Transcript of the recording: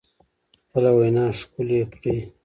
خپله وینا ښکلې کړئ